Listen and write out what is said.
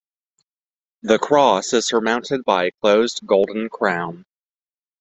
The cross is surmounted by a closed golden crown.